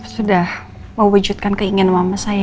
sudah mewujudkan keinginan mama saya